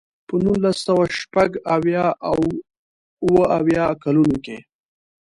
په نولس سوه شپږ اویا او اوه اویا کلونو کې.